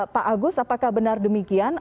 pak agus apakah benar demikian